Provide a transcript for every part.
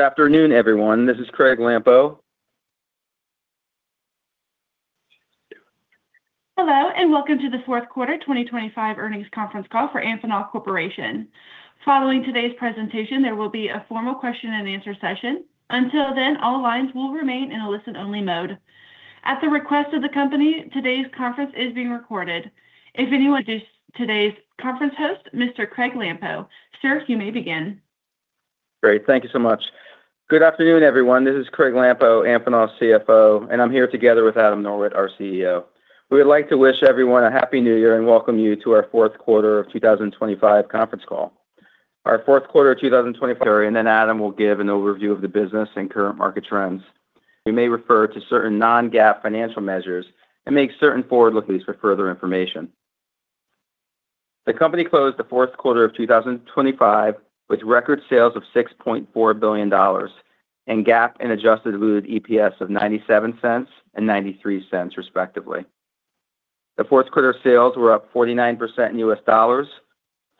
Good afternoon, everyone. This is Craig Lampo. Hello, and welcome to the fourth quarter 2025 earnings conference call for Amphenol Corporation. Following today's presentation, there will be a formal question and answer session. Until then, all lines will remain in a listen-only mode. At the request of the company, today's conference is being recorded. Today's conference host is Mr. Craig Lampo. Sir, you may begin. Great. Thank you so much. Good afternoon, everyone. This is Craig Lampo, Amphenol's CFO, and I'm here together with Adam Norwitt, our CEO. We would like to wish everyone a happy New Year, and welcome you to our fourth quarter of 2025 conference call. Our fourth quarter of 2025, and then Adam will give an overview of the business and current market trends. We may refer to certain non-GAAP financial measures and make certain forward-looking for further information. The company closed the fourth quarter of 2025 with record sales of $6.4 billion, and GAAP and adjusted diluted EPS of $0.97 and $0.93, respectively. The fourth quarter sales were up 49% in U.S. dollars,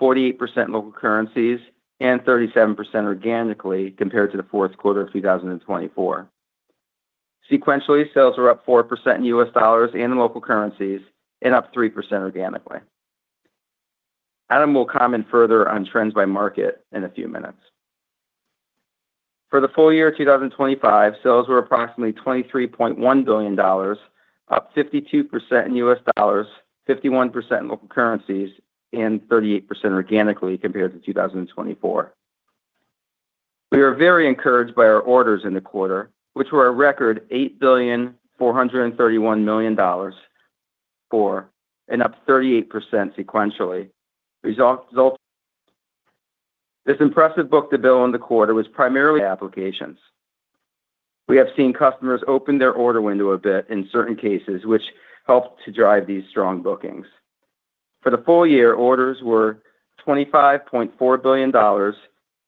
48% in local currencies, and 37% organically compared to the fourth quarter of 2024. Sequentially, sales were up 4% in US dollars and local currencies, and up 3% organically. Adam will comment further on trends by market in a few minutes. For the full year of 2025, sales were approximately $23.1 billion, up 52% in US dollars, 51% in local currencies, and 38% organically compared to 2024. We are very encouraged by our orders in the quarter, which were a record $8.431 billion, and up 38% sequentially, resulting. This impressive book-to-bill in the quarter was primarily applications. We have seen customers open their order window a bit in certain cases which helped to drive these strong bookings. For the full year, orders were $25.4 billion,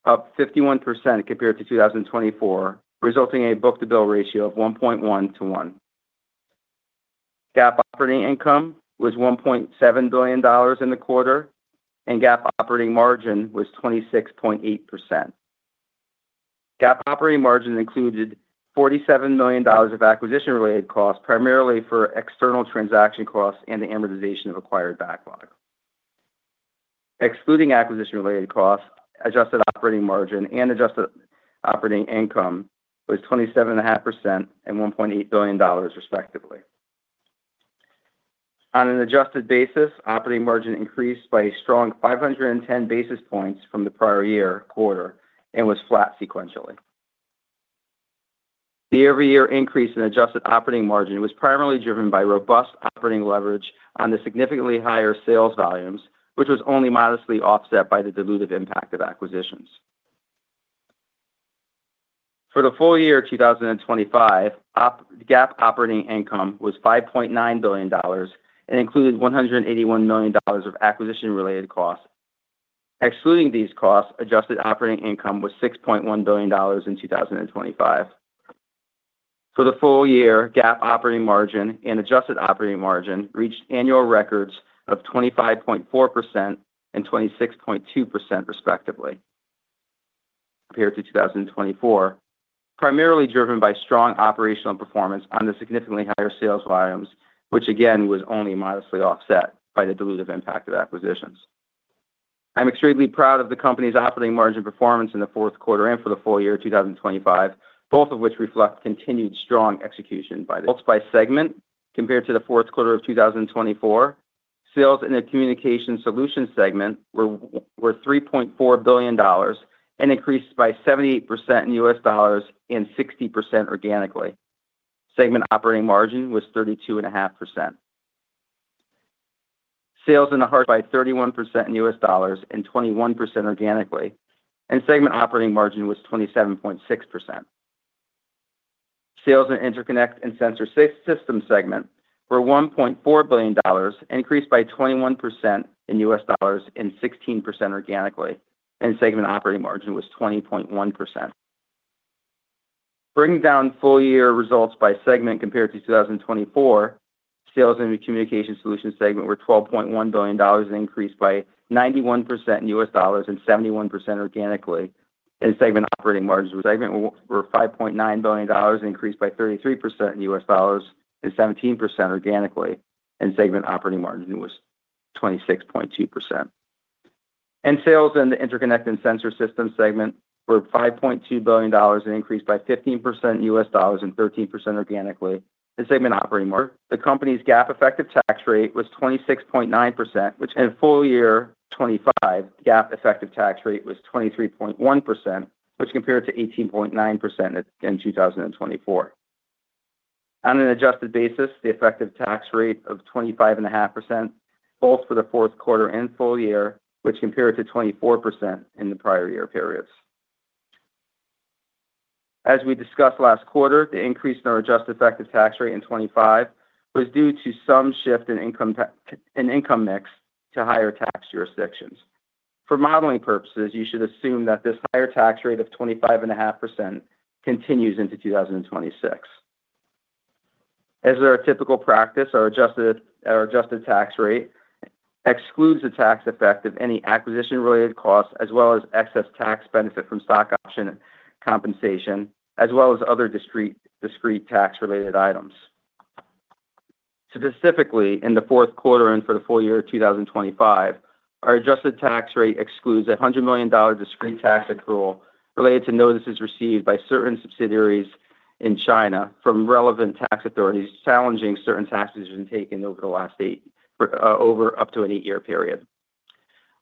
up 51% compared to 2024, resulting in a book-to-bill ratio of 1.1 to 1. GAAP operating income was $1.7 billion in the quarter, and GAAP operating margin was 26.8%. GAAP operating margin included $47 million of acquisition-related costs, primarily for external transaction costs and the amortization of acquired backlog. Excluding acquisition-related costs, adjusted operating margin and adjusted operating income was 27.5% and $1.8 billion, respectively. On an adjusted basis, operating margin increased by a strong 510 basis points from the prior year quarter and was flat sequentially. The year-over-year increase in adjusted operating margin was primarily driven by robust operating leverage on the significantly higher sales volumes, which was only modestly offset by the dilutive impact of acquisitions. For the full year of 2025, GAAP operating income was $5.9 billion and included $181 million of acquisition-related costs. Excluding these costs, adjusted operating income was $6.1 billion in 2025. For the full year, GAAP operating margin and adjusted operating margin reached annual records of 25.4% and 26.2%, respectively, compared to 2024, primarily driven by strong operational performance on the significantly higher sales volumes, which again, was only modestly offset by the dilutive impact of acquisitions. I'm extremely proud of the company's operating margin performance in the fourth quarter and for the full year of 2025, both of which reflect continued strong execution by segment compared to the fourth quarter of 2024. Sales in the Communication Solutions segment were $3.4 billion, and increased by 78% in U.S. dollars and 60% organically. Segment operating margin was 32.5%. Sales in the Harsh Environment Solutions segment increased by 31% in U.S. dollars and 21% organically, and segment operating margin was 27.6%. Sales in Interconnect and Sensor Systems segment were $1.4 billion, increased by 21% in U.S. dollars and 16% organically, and segment operating margin was 20.1%. Bringing down full year results by segment compared to 2024, sales in the Communication Solutions segment were $12.1 billion, and increased by 91% in US dollars and 71% organically, and segment operating margins were $5.9 billion, increased by 33% in US dollars and 17% organically, and segment operating margin was 26.2%. And sales in the Interconnect and Sensor System segment were $5.2 billion, and increased by 15% US dollars and 13% organically, and segment operating margin. The company's GAAP effective tax rate was 26.9%, which in full year 2025, GAAP effective tax rate was 23.1%, which compared to 18.9% in 2024. On an adjusted basis, the effective tax rate of 25.5%, both for the fourth quarter and full year, which compared to 24% in the prior year periods. As we discussed last quarter, the increase in our adjusted effective tax rate in 2025 was due to some shift in income in income mix to higher tax jurisdictions. For modeling purposes, you should assume that this higher tax rate of 25.5% continues into 2026.... As our typical practice, our adjusted tax rate excludes the tax effect of any acquisition-related costs, as well as excess tax benefit from stock option compensation, as well as other discrete tax-related items. Specifically, in the fourth quarter and for the full year of 2025, our adjusted tax rate excludes $100 million discrete tax accrual related to notices received by certain subsidiaries in China from relevant tax authorities, challenging certain tax positions taken over the last eight, over up to an eight-year period.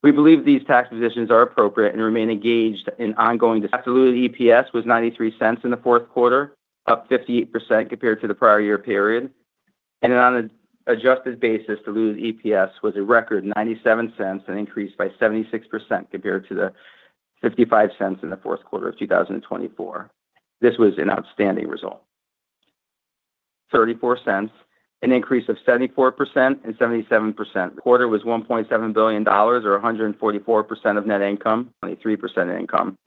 We believe these tax positions are appropriate and remain engaged in ongoing-- Absolutely, EPS was $0.93 in the fourth quarter, up 58% compared to the prior year period, and on an adjusted basis, diluted EPS was a record $0.97, an increase by 76% compared to the $0.55 in the fourth quarter of 2024. This was an outstanding result. $0.34, an increase of 74% and 77%. Quarter was $1.7 billion, or 144% of net income, only 3% income.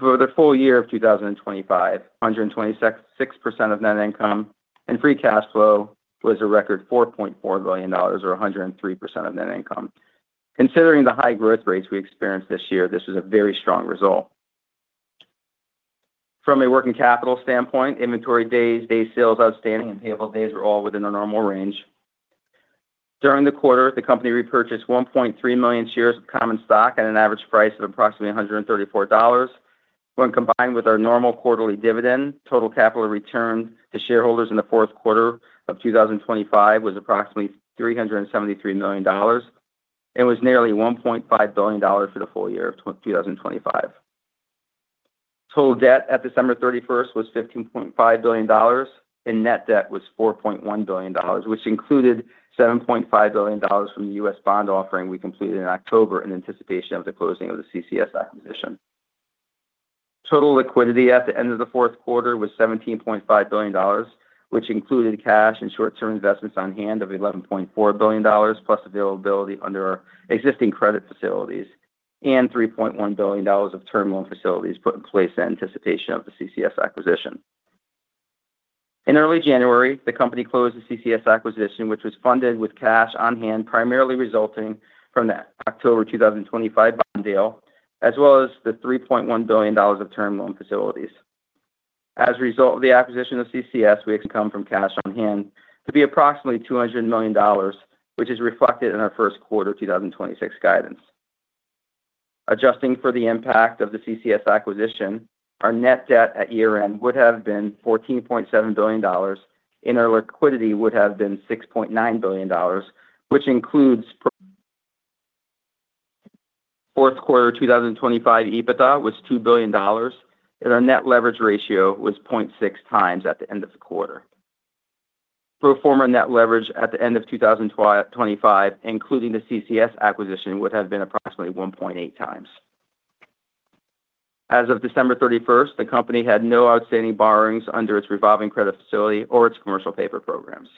For the full year of 2025, 126% of net income and free cash flow was a record $4.4 billion, or 103% of net income. Considering the high growth rates we experienced this year, this is a very strong result. From a working capital standpoint, inventory days, day sales outstanding, and payable days were all within our normal range. During the quarter, the company repurchased 1.3 million shares of common stock at an average price of approximately $134. When combined with our normal quarterly dividend, total capital return to shareholders in the fourth quarter of 2025 was approximately $373 million and was nearly $1.5 billion for the full year of 2025. Total debt at December 31st was $15.5 billion, and net debt was $4.1 billion, which included $7.5 billion from the U.S. bond offering we completed in October in anticipation of the closing of the CCS acquisition. Total liquidity at the end of the fourth quarter was $17.5 billion, which included cash and short-term investments on hand of $11.4 billion, plus availability under our existing credit facilities and $3.1 billion of term loan facilities put in place in anticipation of the CCS acquisition. In early January, the company closed the CCS acquisition, which was funded with cash on hand, primarily resulting from that October 2025 bond deal, as well as the $3.1 billion of term loan facilities. As a result of the acquisition of CCS, we come from cash on hand to be approximately $200 million, which is reflected in our first quarter 2026 guidance. Adjusting for the impact of the CCS acquisition, our net debt at year-end would have been $14.7 billion, and our liquidity would have been $6.9 billion, which includes- fourth quarter 2025 EBITDA was $2 billion, and our net leverage ratio was 0.6 times at the end of the quarter. Pro forma net leverage at the end of 2025, including the CCS acquisition, would have been approximately 1.8 times. As of December 31, the company had no outstanding borrowings under its revolving credit facility or its commercial paper programs.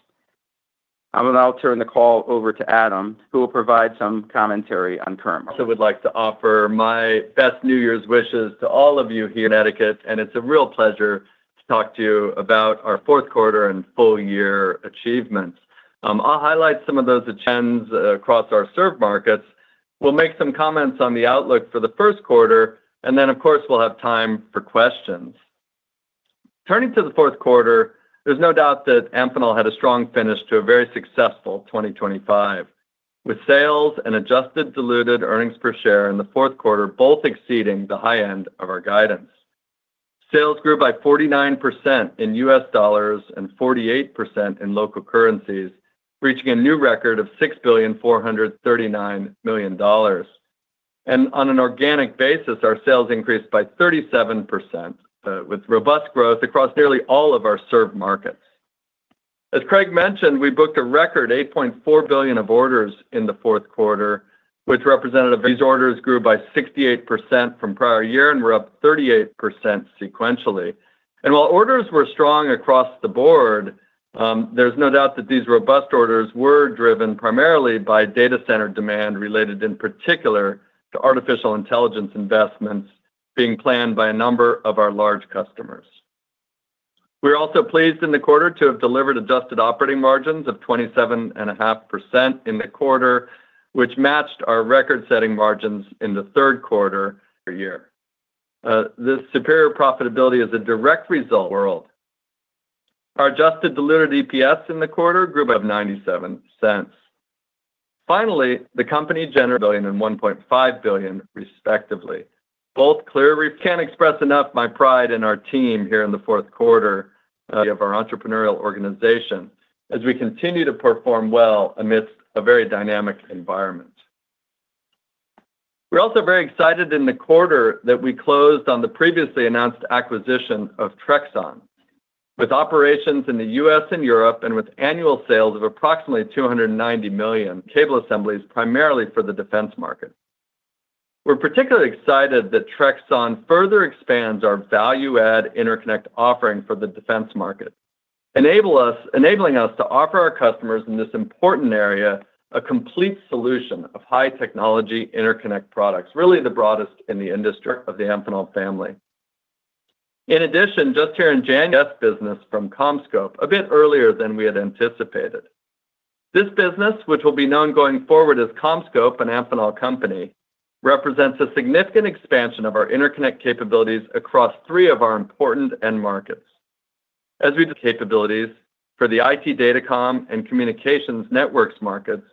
I will now turn the call over to Adam, who will provide some commentary on term. I also would like to offer my best New Year's wishes to all of you here in Connecticut, and it's a real pleasure to talk to you about our fourth quarter and full year achievements. I'll highlight some of those trends across our served markets. We'll make some comments on the outlook for the first quarter, and then, of course, we'll have time for questions. Turning to the fourth quarter, there's no doubt that Amphenol had a strong finish to a very successful 2025, with sales and adjusted diluted earnings per share in the fourth quarter, both exceeding the high end of our guidance. Sales grew by 49% in U.S. dollars and 48% in local currencies, reaching a new record of $6.439 billion. On an organic basis, our sales increased by 37%, with robust growth across nearly all of our served markets. As Craig mentioned, we booked a record $8.4 billion of orders in the fourth quarter, these orders grew by 68% from prior year and were up 38% sequentially. While orders were strong across the board, there's no doubt that these robust orders were driven primarily by data center demand related, in particular, to artificial intelligence investments being planned by a number of our large customers. We're also pleased in the quarter to have delivered adjusted operating margins of 27.5% in the quarter, which matched our record-setting margins in the third quarter year. This superior profitability is a direct result world. Our adjusted diluted EPS in the quarter grew by $0.97. Finally, the company generated $1 billion and $1.5 billion, respectively. I can't express enough my pride in our team here in the fourth quarter of our entrepreneurial organization as we continue to perform well amidst a very dynamic environment. We're also very excited in the quarter that we closed on the previously announced acquisition of Trexon. With operations in the U.S. and Europe, and with annual sales of approximately $290 million cable assemblies, primarily for the defense market. We're particularly excited that Trexon further expands our value-add interconnect offering for the defense market, enabling us to offer our customers in this important area a complete solution of high technology interconnect products, really the broadest in the industry of the Amphenol family. In addition, just here in January, business from CommScope, a bit earlier than we had anticipated. This business, which will be known going forward as CommScope, an Amphenol company, represents a significant expansion of our interconnect capabilities across three of our important end markets. As we add the capabilities for the IT Datacom and communications networks markets,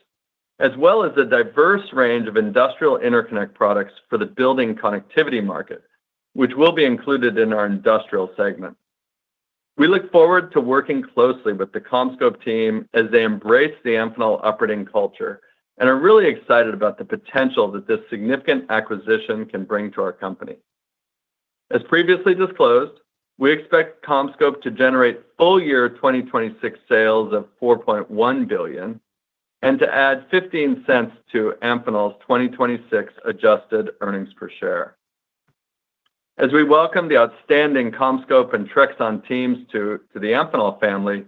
as well as a diverse range of industrial interconnect products for the building connectivity market, which will be included in our industrial segment. We look forward to working closely with the CommScope team as they embrace the Amphenol operating culture, and are really excited about the potential that this significant acquisition can bring to our company. As previously disclosed, we expect CommScope to generate full year 2026 sales of $4.1 billion, and to add $0.15 to Amphenol's 2026 adjusted earnings per share. As we welcome the outstanding CommScope and Trexon teams to the Amphenol family,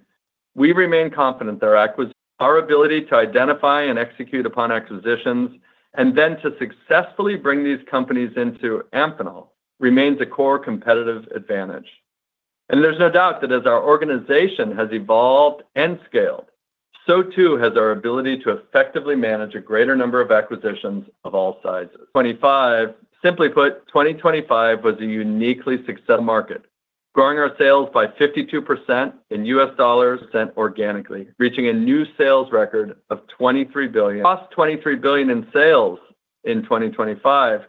we remain confident that our acquisition, our ability to identify and execute upon acquisitions, and then to successfully bring these companies into Amphenol, remains a core competitive advantage. There's no doubt that as our organization has evolved and scaled, so too has our ability to effectively manage a greater number of acquisitions of all sizes. 2025, simply put, 2025 was a uniquely successful market, growing our sales by 52% in U.S. dollars sent organically, reaching a new sales record of $23 billion-plus $23 billion in sales in 2025.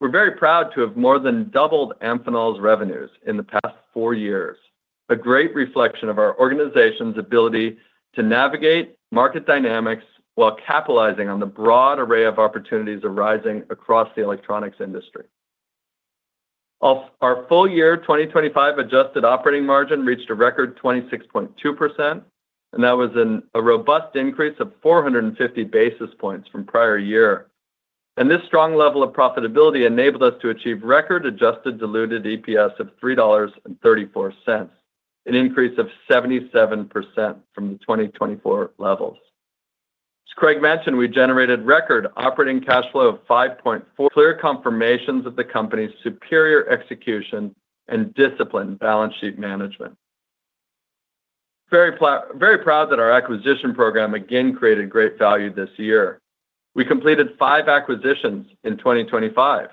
We're very proud to have more than doubled Amphenol's revenues in the past four years, a great reflection of our organization's ability to navigate market dynamics while capitalizing on the broad array of opportunities arising across the electronics industry. For our full year, 2025 adjusted operating margin reached a record 26.2%, and that was a robust increase of 450 basis points from prior year. And this strong level of profitability enabled us to achieve record adjusted diluted EPS of $3.34, an increase of 77% from the 2024 levels. As Craig mentioned, we generated record operating cash flow of $5.4 billion. Clear confirmations of the company's superior execution and disciplined balance sheet management. Very proud that our acquisition program again created great value this year. We completed 5 acquisitions in 2025,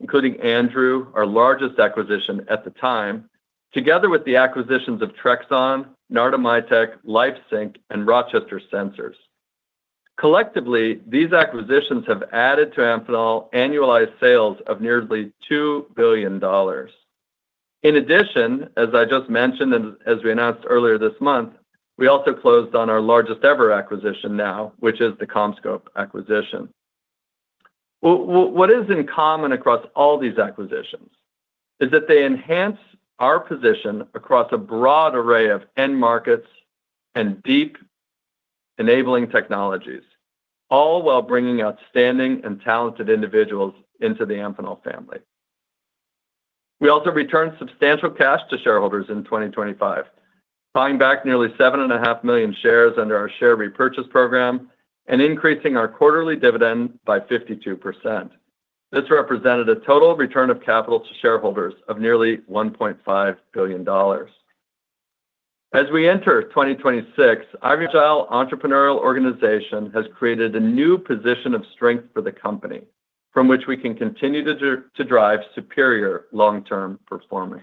including Andrew, our largest acquisition at the time, together with the acquisitions of Trexon, Narda-MITEQ, LifeSync, and Rochester Sensors. Collectively, these acquisitions have added to Amphenol's annualized sales of nearly $2 billion. In addition, as I just mentioned, and as we announced earlier this month, we also closed on our largest ever acquisition now, which is the CommScope acquisition. What is in common across all these acquisitions is that they enhance our position across a broad array of end markets and deep enabling technologies, all while bringing outstanding and talented individuals into the Amphenol family. We also returned substantial cash to shareholders in 2025, buying back nearly 7.5 million shares under our share repurchase program and increasing our quarterly dividend by 52%. This represented a total return of capital to shareholders of nearly $1.5 billion. As we enter 2026, our agile entrepreneurial organization has created a new position of strength for the company, from which we can continue to drive superior long-term performance.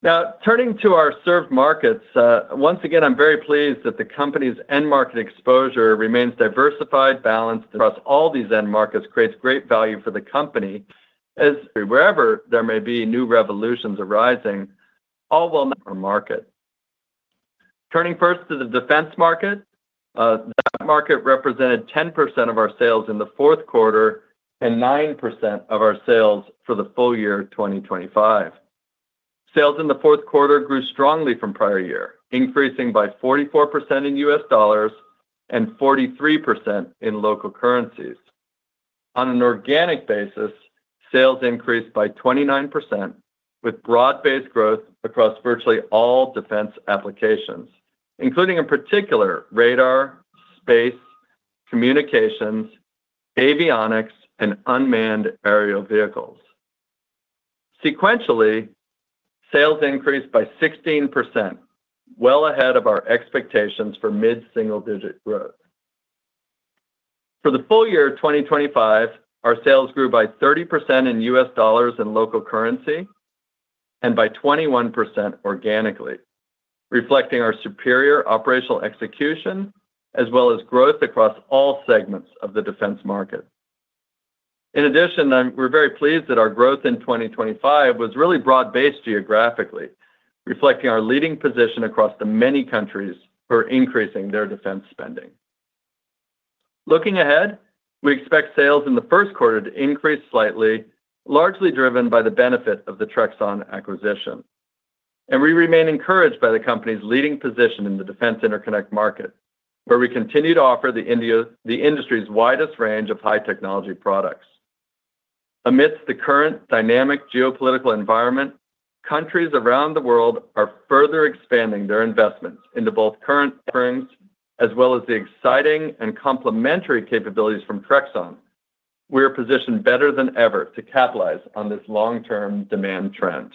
Now, turning to our served markets, once again, I'm very pleased that the company's end market exposure remains diversified, balanced across all these end markets, creates great value for the company, as wherever there may be new revolutions arising, all while our market. Turning first to the defense market, that market represented 10% of our sales in the fourth quarter and 9% of our sales for the full year 2025. Sales in the fourth quarter grew strongly from prior year, increasing by 44% in U.S. dollars and 43% in local currencies. On an organic basis, sales increased by 29%, with broad-based growth across virtually all defense applications, including a particular radar, space, communications, avionics, and unmanned aerial vehicles. Sequentially, sales increased by 16%, well ahead of our expectations for mid-single-digit growth. For the full year of 2025, our sales grew by 30% in U.S. dollars and local currency, and by 21% organically, reflecting our superior operational execution, as well as growth across all segments of the defense market. In addition, we're very pleased that our growth in 2025 was really broad-based geographically, reflecting our leading position across the many countries for increasing their defense spending. Looking ahead, we expect sales in the first quarter to increase slightly, largely driven by the benefit of the Trexon acquisition. And we remain encouraged by the company's leading position in the defense interconnect market, where we continue to offer the industry's widest range of high technology products. Amidst the current dynamic geopolitical environment, countries around the world are further expanding their investments into both current offerings as well as the exciting and complementary capabilities from Trexon. We are positioned better than ever to capitalize on this long-term demand trend.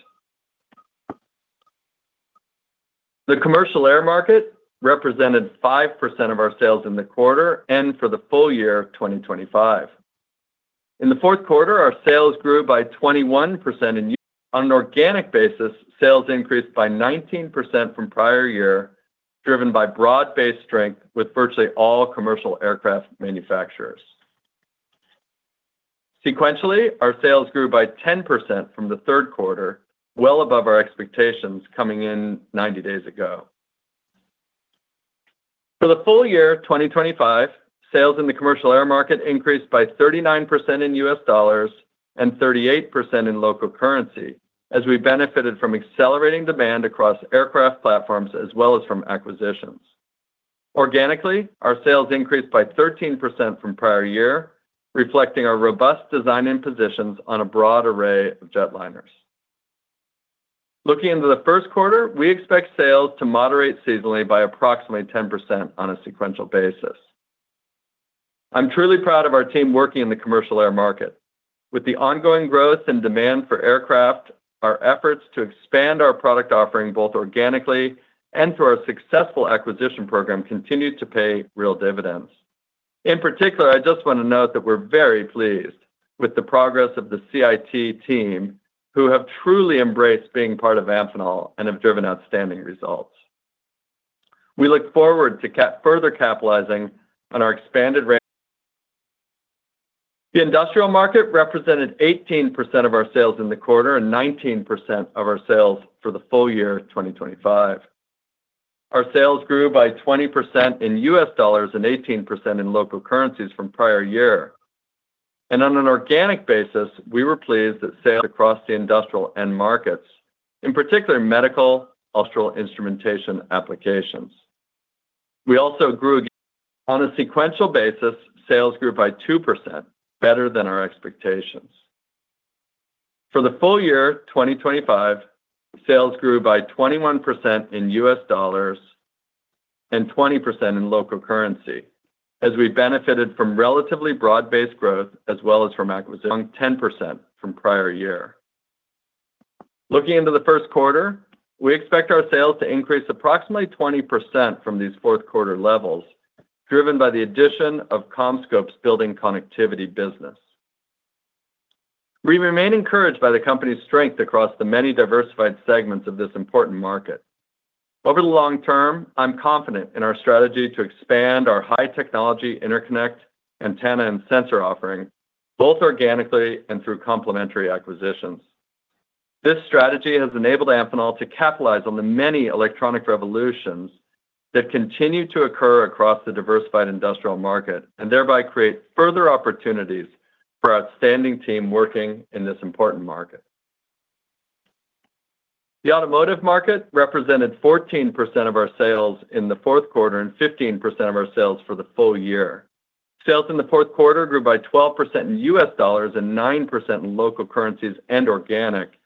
The commercial air market represented 5% of our sales in the quarter and for the full year of 2025. In the fourth quarter, our sales grew by 21%, and on an organic basis, sales increased by 19% from prior year, driven by broad-based strength with virtually all commercial aircraft manufacturers. Sequentially, our sales grew by 10% from the third quarter, well above our expectations coming in 90 days ago. For the full year of 2025, sales in the commercial air market increased by 39% in U.S. dollars and 38% in local currency, as we benefited from accelerating demand across aircraft platforms as well as from acquisitions. Organically, our sales increased by 13% from prior year, reflecting our robust design and positions on a broad array of jetliners. Looking into the first quarter, we expect sales to moderate seasonally by approximately 10% on a sequential basis. I'm truly proud of our team working in the commercial air market. With the ongoing growth and demand for aircraft, our efforts to expand our product offering, both organically and through our successful acquisition program, continue to pay real dividends. In particular, I just want to note that we're very pleased with the progress of the CIT team, who have truly embraced being part of Amphenol and have driven outstanding results. We look forward to further capitalizing on our expanded range. The industrial market represented 18% of our sales in the quarter and 19% of our sales for the full year of 2025. Our sales grew by 20% in U.S. dollars and 18% in local currencies from prior year. On an organic basis, we were pleased that sales across the industrial end markets, in particular, medical, industrial instrumentation applications. We also grew. On a sequential basis, sales grew by 2%, better than our expectations. For the full year, 2025, sales grew by 21% in US dollars and 20% in local currency, as we benefited from relatively broad-based growth as well as from acquisition, 10% from prior year. Looking into the first quarter, we expect our sales to increase approximately 20% from these fourth quarter levels, driven by the addition of CommScope's building connectivity business. We remain encouraged by the company's strength across the many diversified segments of this important market. Over the long term, I'm confident in our strategy to expand our high-technology interconnect, antenna, and sensor offering, both organically and through complementary acquisitions. This strategy has enabled Amphenol to capitalize on the many electronic revolutions that continue to occur across the diversified industrial market and thereby create further opportunities for our outstanding team working in this important market. The automotive market represented 14% of our sales in the fourth quarter and 15% of our sales for the full year. Sales in the fourth quarter grew by 12% in U.S. dollars and 9% in local currencies and organic.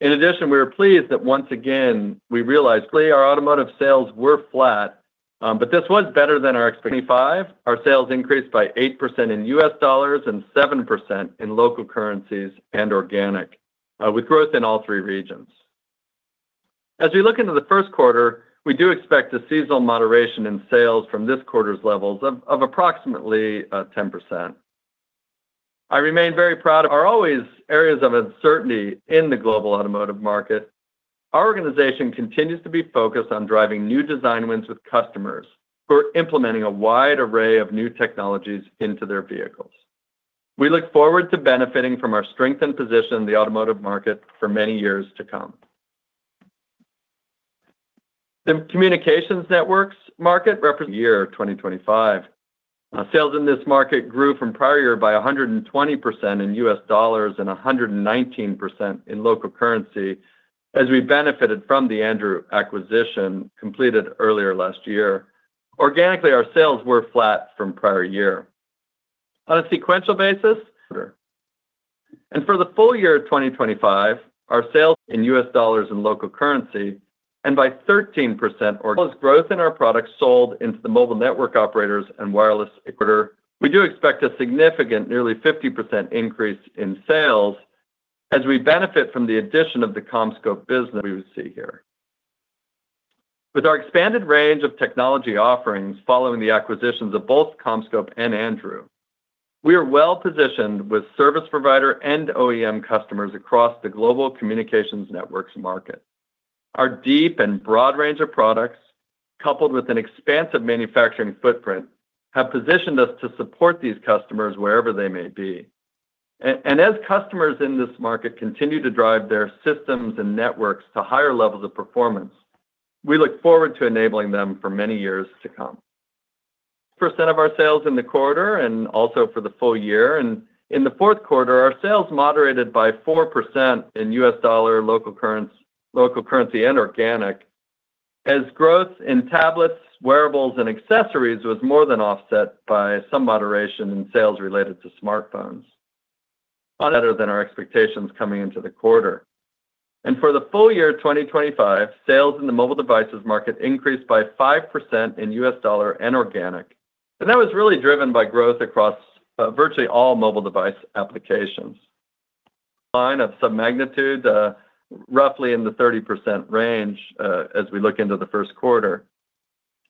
In addition, we were pleased that once again, we realized our automotive sales were flat, but this was better than our expectancy. 2025, our sales increased by 8% in U.S. dollars and 7% in local currencies and organic, with growth in all three regions. As we look into the first quarter, we do expect a seasonal moderation in sales from this quarter's levels of approximately 10%. I remain very proud. There are always areas of uncertainty in the global automotive market. Our organization continues to be focused on driving new design wins with customers who are implementing a wide array of new technologies into their vehicles. We look forward to benefiting from our strength and position in the automotive market for many years to come. The communications networks market represent year 2025. Sales in this market grew from prior year by 120% in US dollars and 119% in local currency, as we benefited from the Andrew acquisition completed earlier last year. Organically, our sales were flat from prior year. On a sequential basis... For the full year of 2025, our sales in US dollars, in local currency, and by 13%. Plus growth in our products sold into the mobile network operators and wireless infrastructure, we do expect a significant, nearly 50% increase in sales as we benefit from the addition of the CommScope business we would see here. With our expanded range of technology offerings, following the acquisitions of both CommScope and Andrew, we are well-positioned with service provider and OEM customers across the global communications networks market. Our deep and broad range of products, coupled with an expansive manufacturing footprint, have positioned us to support these customers wherever they may be. And as customers in this market continue to drive their systems and networks to higher levels of performance, we look forward to enabling them for many years to come. Percent of our sales in the quarter and also for the full year, and in the fourth quarter, our sales moderated by 4% in US dollar, local currency, local currency, and organic, as growth in tablets, wearables, and accessories was more than offset by some moderation in sales related to smartphones. Better than our expectations coming into the quarter. For the full year 2025, sales in the mobile devices market increased by 5% in US dollar and organic, and that was really driven by growth across virtually all mobile device applications. Decline of some magnitude, roughly in the 30% range, as we look into the first quarter.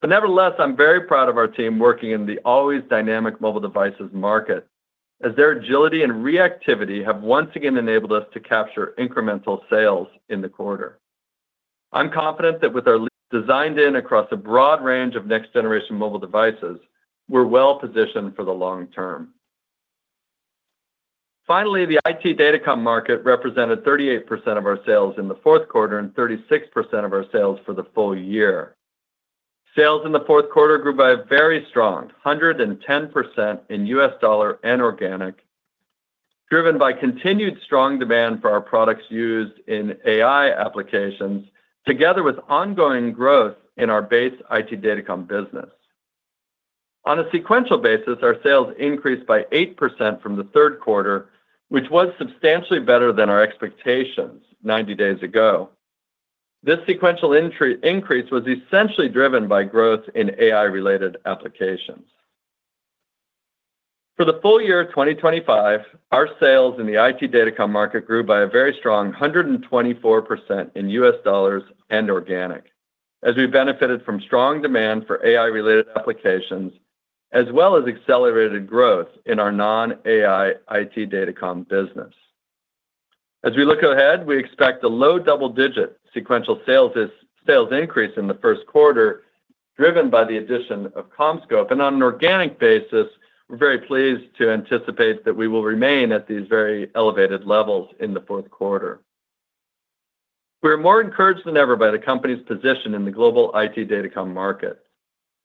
But nevertheless, I'm very proud of our team working in the always dynamic mobile devices market, as their agility and reactivity have once again enabled us to capture incremental sales in the quarter. I'm confident that with our designed in across a broad range of next generation mobile devices, we're well positioned for the long term. Finally, the IT datacom market represented 38% of our sales in the fourth quarter and 36% of our sales for the full year. Sales in the fourth quarter grew by a very strong 110% in U.S. dollar and organic, driven by continued strong demand for our products used in AI applications, together with ongoing growth in our base IT datacom business. On a sequential basis, our sales increased by 8% from the third quarter, which was substantially better than our expectations 90 days ago. This sequential increase was essentially driven by growth in AI-related applications. For the full year of 2025, our sales in the IT datacom market grew by a very strong 124% in U.S. dollars and organic, as we benefited from strong demand for AI-related applications, as well as accelerated growth in our non-AI IT datacom business. As we look ahead, we expect a low double-digit sequential sales, sales increase in the first quarter, driven by the addition of CommScope. And on an organic basis, we're very pleased to anticipate that we will remain at these very elevated levels in the fourth quarter. We're more encouraged than ever by the company's position in the global IT datacom market.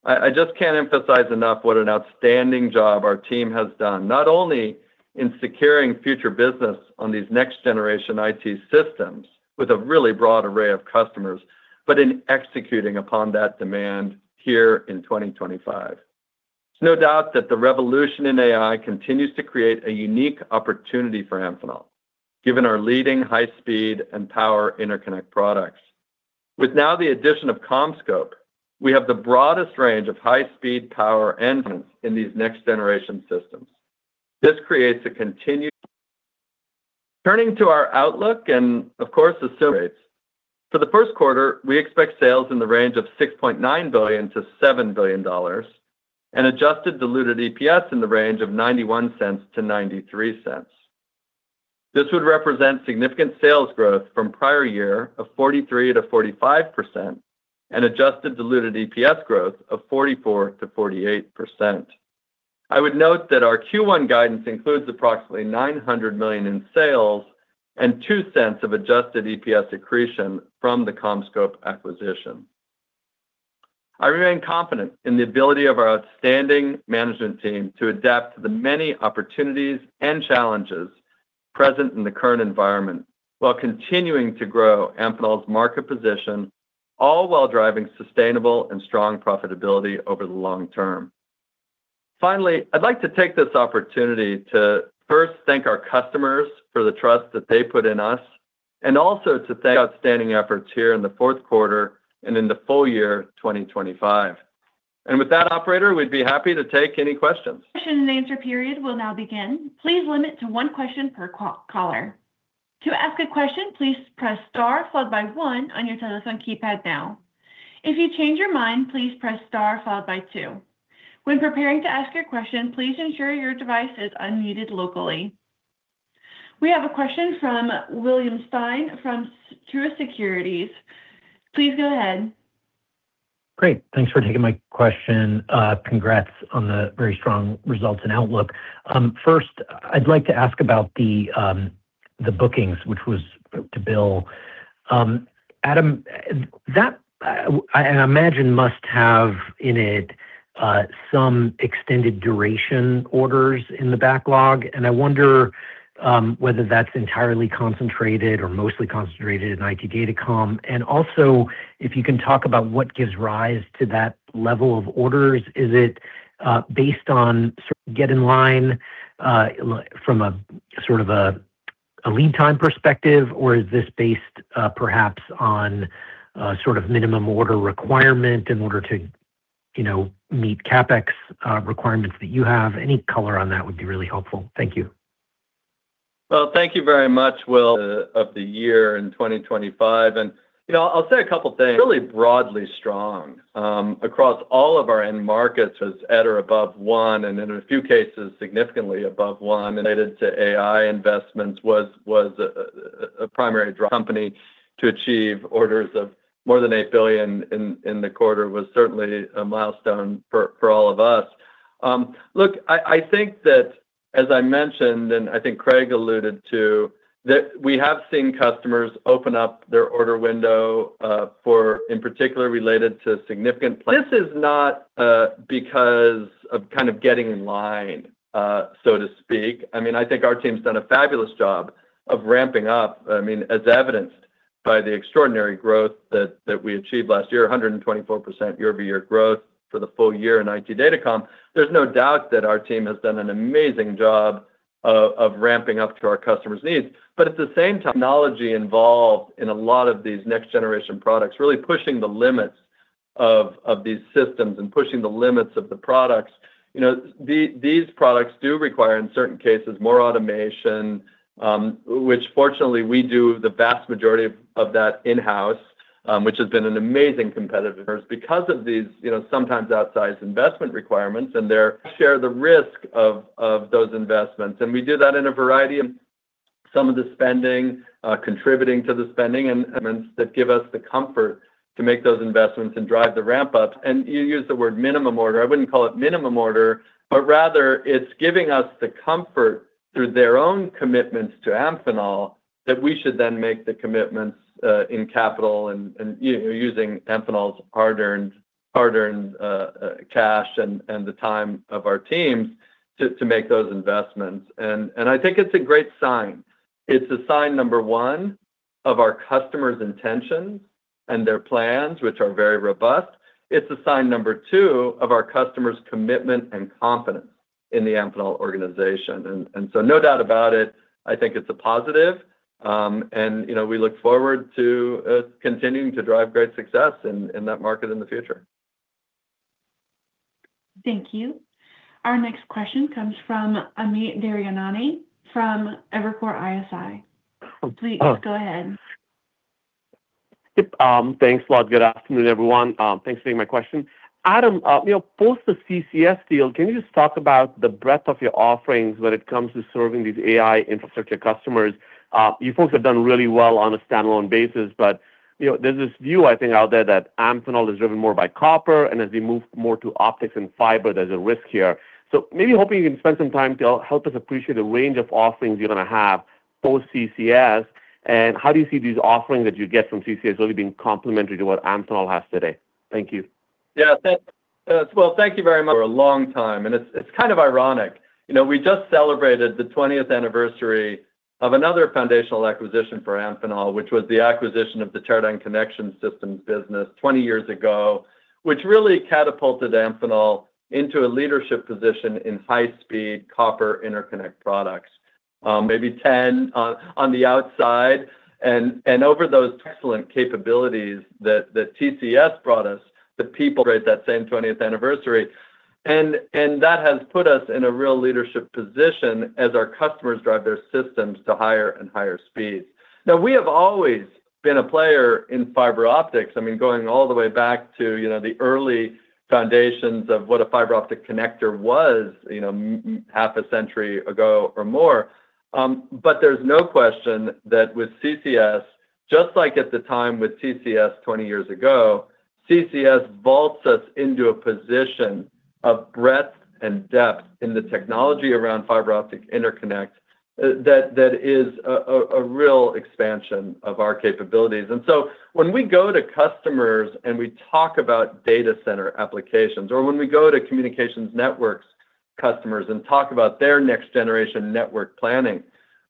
I, I just can't emphasize enough what an outstanding job our team has done, not only in securing future business on these next-generation IT systems with a really broad array of customers, but in executing upon that demand here in 2025. It's no doubt that the revolution in AI continues to create a unique opportunity for Amphenol, given our leading high-speed and power interconnect products. With now the addition of CommScope, we have the broadest range of high-speed power engines in these next-generation systems. This creates. Turning to our outlook and, of course, rates. For the first quarter, we expect sales in the range of $6.9 billion-$7 billion and adjusted diluted EPS in the range of $0.91-$0.93. This would represent significant sales growth from prior year of 43%-45% and adjusted diluted EPS growth of 44%-48%. I would note that our Q1 guidance includes approximately $900 million in sales and $0.02 of adjusted EPS accretion from the CommScope acquisition. I remain confident in the ability of our outstanding management team to adapt to the many opportunities and challenges present in the current environment, while continuing to grow Amphenol's market position, all while driving sustainable and strong profitability over the long term. Finally, I'd like to take this opportunity to first thank our customers for the trust that they put in us, and also to thank outstanding efforts here in the fourth quarter and in the full year 2025. And with that, operator, we'd be happy to take any questions. Question and answer period will now begin. Please limit to one question per caller. To ask a question, please press star followed by one on your telephone keypad now. If you change your mind, please press star followed by two. When preparing to ask your question, please ensure your device is unmuted locally. We have a question from William Stein from Truist Securities. Please go ahead. Great. Thanks for taking my question. Congrats on the very strong results and outlook. First, I'd like to ask about the book-to-bill. Adam, that, I imagine, must have in it some extended duration orders in the backlog, and I wonder whether that's entirely concentrated or mostly concentrated in IT datacom. And also, if you can talk about what gives rise to that level of orders, is it based on getting in line from a sort of a lead time perspective, or is this based perhaps on sort of minimum order requirement in order to, you know, meet CapEx requirements that you have? Any color on that would be really helpful. Thank you. Well, thank you very much, Will, of the year in 2025. And you know, I'll say a couple of things, really broadly strong, across all of our end markets, was at or above one, and in a few cases, significantly above one. Related to AI investments was a primary company to achieve orders of more than $8 billion in the quarter was certainly a milestone for all of us. Look, I think that, as I mentioned, and I think Craig alluded to, that we have seen customers open up their order window, for, in particular, related to significant places. This is not because of kind of getting in line, so to speak. I mean, I think our team's done a fabulous job. of ramping up, I mean, as evidenced by the extraordinary growth that we achieved last year, 124% year-over-year growth for the full year in IT Datacom. There's no doubt that our team has done an amazing job of ramping up to our customers' needs. But at the same time, technology involved in a lot of these next generation products, really pushing the limits of these systems and pushing the limits of the products. You know, these products do require, in certain cases, more automation, which fortunately, we do the vast majority of that in-house, which has been an amazing competitive advantage because of these, you know, sometimes outsized investment requirements and they share the risk of those investments. We do that in a variety of some of the spending contributing to the spending and that give us the comfort to make those investments and drive the ramp up. You use the word minimum order. I wouldn't call it minimum order, but rather it's giving us the comfort through their own commitments to Amphenol that we should then make the commitments in capital and, you know, using Amphenol's hard-earned, hard-earned cash and the time of our teams to make those investments. And I think it's a great sign. It's a sign, number one, of our customers' intentions and their plans, which are very robust. It's a sign, number two, of our customers' commitment and confidence in the Amphenol organization. So no doubt about it, I think it's a positive, and, you know, we look forward to continuing to drive great success in that market in the future. Thank you. Our next question comes from Amit Daryanani, from Evercore ISI. Please, go ahead. Yep, thanks a lot. Good afternoon, everyone. Thanks for taking my question. Adam, you know, post the CCS deal, can you just talk about the breadth of your offerings when it comes to serving these AI infrastructure customers? You folks have done really well on a standalone basis, but, you know, there's this view, I think, out there that Amphenol is driven more by copper, and as we move more to optics and fiber, there's a risk here. So maybe hoping you can spend some time to help us appreciate the range of offerings you're going to have post CCS, and how do you see these offerings that you get from CCS really being complementary to what Amphenol has today? Thank you. Yeah. Thank, well, thank you very much for a long time, and it's kind of ironic. You know, we just celebrated the 20th anniversary of another foundational acquisition for Amphenol, which was the acquisition of the Teradyne Connection Systems business 20 years ago, which really catapulted Amphenol into a leadership position in high-speed copper interconnect products. Maybe 10 on the outside and over those excellent capabilities that TCS brought us, the people at that same 20th anniversary. And that has put us in a real leadership position as our customers drive their systems to higher and higher speeds. Now, we have always been a player in fiber optics, I mean, going all the way back to, you know, the early foundations of what a fiber optic connector was, you know, half a century ago or more. But there's no question that with CCS, just like at the time with CCS 20 years ago, CCS vaults us into a position of breadth and depth in the technology around fiber optic interconnect, that is a real expansion of our capabilities. And so when we go to customers and we talk about data center applications, or when we go to communications networks customers and talk about their next generation network planning,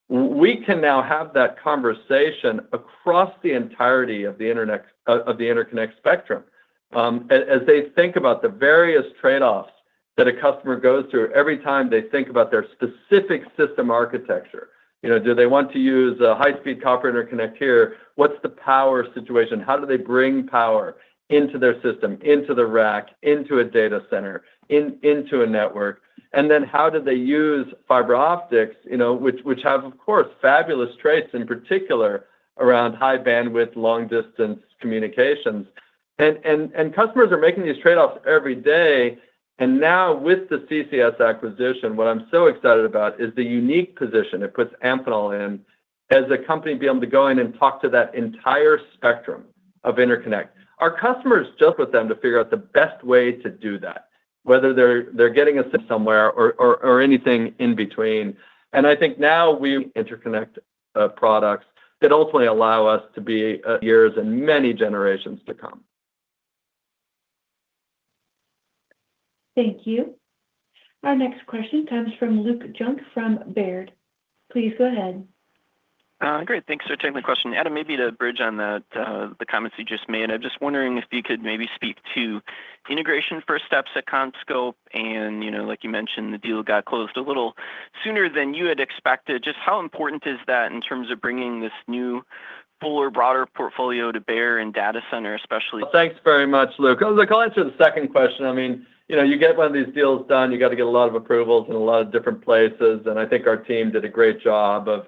we can now have that conversation across the entirety of the internet of the interconnect spectrum. As they think about the various trade-offs that a customer goes through every time they think about their specific system architecture, you know, do they want to use a high-speed copper interconnect here? What's the power situation? How do they bring power into their system, into the rack, into a data center, into a network? And then how do they use fiber optics, you know, which have, of course, fabulous traits, in particular, around high bandwidth, long distance communications. And customers are making these trade-offs every day, and now with the CCS acquisition, what I'm so excited about is the unique position it puts Amphenol in as a company to be able to go in and talk to that entire spectrum of interconnect. Our customers just with them to figure out the best way to do that, whether they're getting a sip somewhere or anything in between. And I think now our interconnect products that ultimately allow us to be years and many generations to come. Thank you. Our next question comes from Luke Junk from Baird. Please go ahead. Great. Thanks for taking my question. Adam, maybe to bridge on that, the comments you just made, I'm just wondering if you could maybe speak to integration first steps at CommScope, and, you know, like you mentioned, the deal got closed a little sooner than you had expected. Just how important is that in terms of bringing this new, fuller, broader portfolio to Baird and data center, especially? Thanks very much, Luke. I'll answer the second question. I mean, you know, you get one of these deals done, you got to get a lot of approvals in a lot of different places, and I think our team did a great job of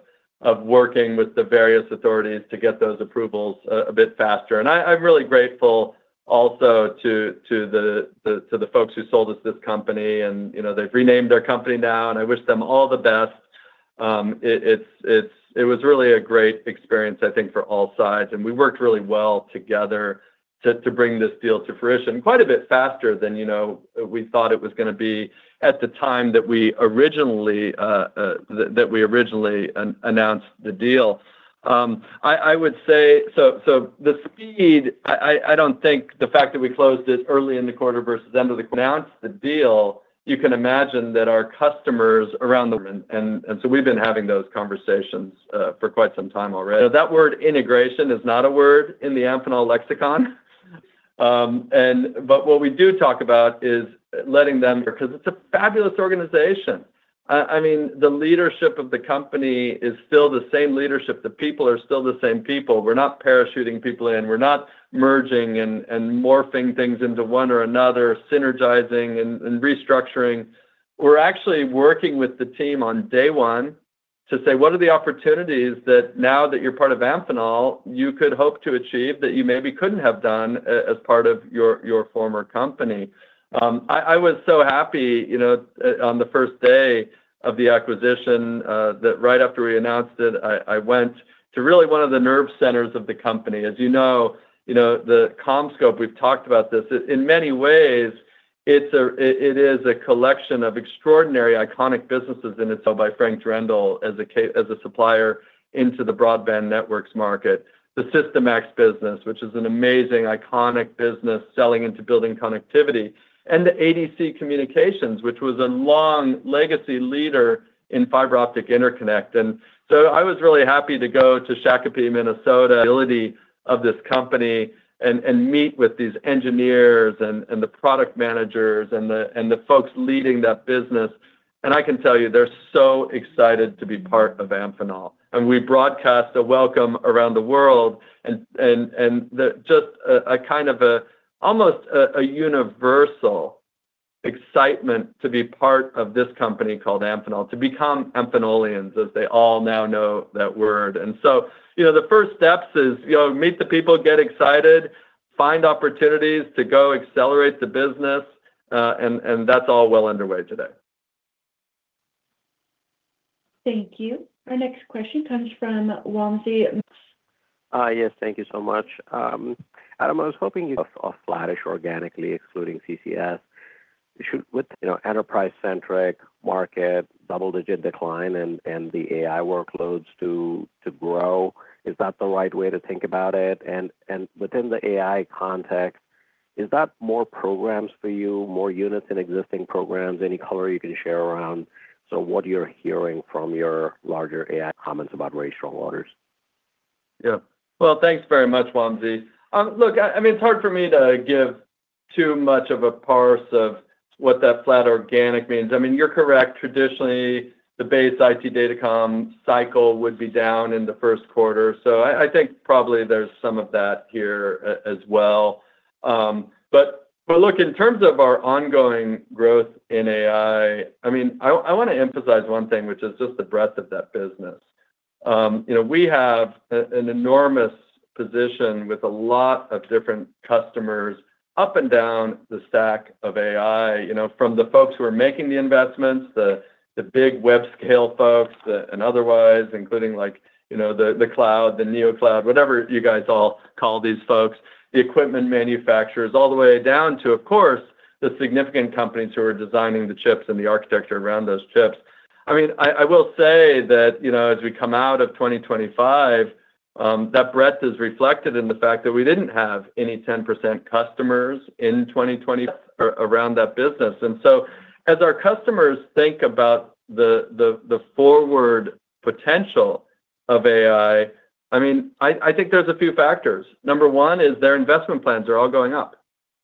working with the various authorities to get those approvals a bit faster. And I'm really grateful also to the folks who sold us this company, and, you know, they've renamed their company now, and I wish them all the best. It's really a great experience, I think, for all sides, and we worked really well together to bring this deal to fruition. Quite a bit faster than, you know, we thought it was gonna be at the time that we originally announced the deal. I would say the speed. I don't think the fact that we closed it early in the quarter versus end of the-- announce the deal. You can imagine that our customers around the world. And so we've been having those conversations for quite some time already. So that word integration is not a word in the Amphenol lexicon. And but what we do talk about is letting them, because it's a fabulous organization. I mean, the leadership of the company is still the same leadership. The people are still the same people. We're not parachuting people in, we're not merging and morphing things into one or another, synergizing and restructuring. We're actually working with the team on day one to say: What are the opportunities that now that you're part of Amphenol, you could hope to achieve that you maybe couldn't have done as part of your former company? I was so happy, you know, on the first day of the acquisition, that right after we announced it, I went to really one of the nerve centers of the company. As you know, you know, the CommScope, we've talked about this. In many ways, it's a collection of extraordinary, iconic businesses in itself by Frank Drendel as a supplier into the broadband networks market. The SYSTIMAX business, which is an amazing, iconic business, selling into building connectivity, and the ADC Telecommunications, which was a long legacy leader in fiber optic interconnect. And so I was really happy to go to Shakopee, Minnesota facility of this company, and meet with these engineers and the product managers and the folks leading that business. And I can tell you, they're so excited to be part of Amphenol. And we broadcast a welcome around the world, and the just a kind of a almost a universal excitement to be part of this company called Amphenol, to become Amphenolians, as they all now know that word. And so, you know, the first steps is, you know, meet the people, get excited, find opportunities to go accelerate the business, and that's all well underway today. Thank you. Our next question comes from Wamsi Mohan. Yes, thank you so much. Adam, I was hoping you could of flattish organically, excluding CCS. With, you know, enterprise-centric market, double-digit decline and the AI workloads to grow, is that the right way to think about it? And within the AI context, is that more programs for you, more units in existing programs, any color you can share around what you're hearing from your larger AI customers about very strong orders? Yeah. Well, thanks very much, Wamsi. Look, I mean, it's hard for me to give too much of a parse of what that flat organic means. I mean, you're correct. Traditionally, the base IT datacom cycle would be down in the first quarter. So I think probably there's some of that here as well. But look, in terms of our ongoing growth in AI, I mean, I want to emphasize one thing, which is just the breadth of that business. You know, we have an enormous position with a lot of different customers up and down the stack of AI, you know, from the folks who are making the investments, the big web-scale folks, the... And otherwise, including like, you know, the cloud, the neo cloud, whatever you guys all call these folks, the equipment manufacturers, all the way down to, of course, the significant companies who are designing the chips and the architecture around those chips. I mean, I will say that, you know, as we come out of 2025, that breadth is reflected in the fact that we didn't have any 10% customers in 2025 around that business. And so, as our customers think about the forward potential of AI, I mean, I think there's a few factors. Number one is their investment plans are all going up.